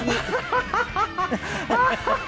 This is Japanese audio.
ハハハハ！